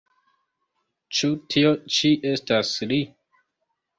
Ĉu tio ĉi estas li?